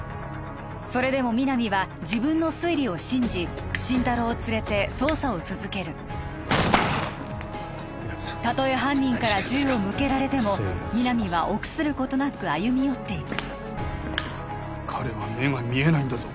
それでも皆実は自分の推理を信じ心太朗を連れて捜査を続けるたとえ犯人から銃を向けられても皆実は臆することなく歩み寄っていく彼は目が見えないんだぞ